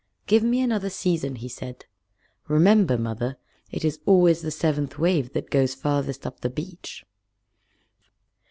"Give me another season," he said. "Remember, Mother, it is always the seventh wave that goes farthest up the beach."